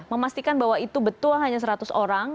memastikan bahwa itu betul hanya seratus orang